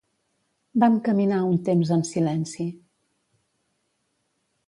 Vam caminar un temps en silenci.